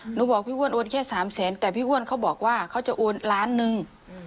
หนูบอกพี่อ้วนโอนแค่๓แสนแต่พี่อ้วนเขาบอกว่าเขาจะโอนล้านหนึ่ง